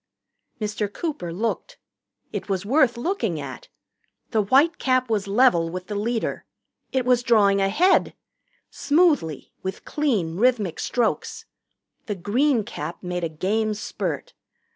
Mr. Cooper looked. It was worth looking at. The white cap was level with the leader it was drawing ahead smoothly, with clean, rhythmic strokes. The green cap made a game spurt.